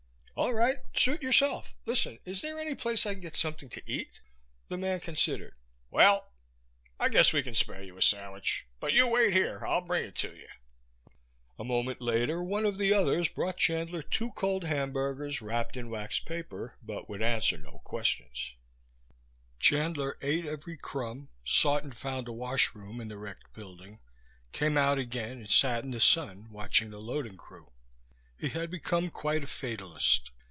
"All right, suit yourself. Listen, is there any place I can get something to eat?" The man considered. "Well, I guess we can spare you a sandwich. But you wait here. I'll bring it to you." He went back to the truck. A moment later one of the others brought Chandler two cold hamburgers wrapped in waxed paper, but would answer no questions. Chandler ate every crumb, sought and found a washroom in the wrecked building, came out again and sat in the sun, watching the loading crew. He had become quite a fatalist.